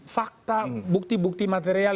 fakta bukti bukti material